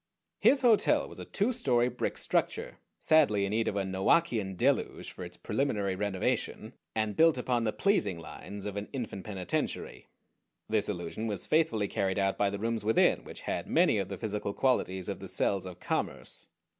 His hotel was a two story brick structure, sadly in need of a Noachian Deluge for its preliminary renovation, and built upon the pleasing lines of an infant penitentiary. This illusion was faithfully carried out by the rooms within, which had many of the physical qualities of the cells of commerce.